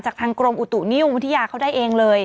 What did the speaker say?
จากทางกรมอุตุนิวมุทิยาเขาได้เองเลย